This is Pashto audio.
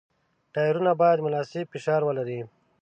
ټایرونه باید مناسب فشار ولري.